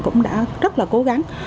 cũng đã rất là cố gắng